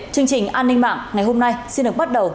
chương trình an ninh mạng ngày hôm nay xin được bắt đầu